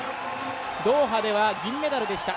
ドーハでは銀メダルでした。